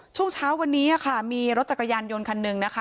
ช่วงเช้าวันนี้ค่ะมีรถจักรยานยนต์คันหนึ่งนะคะ